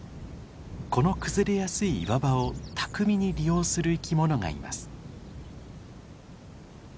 この崩れやすい岩場を巧みに利用する生き物がいます。